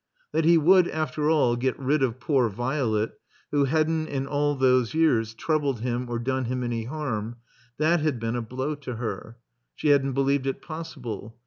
That he would, after all, get rid of poor Violet, who hadn't, in all those years, troubled him or done him any harm, that had been a blow to her. She hadn't believed it possible.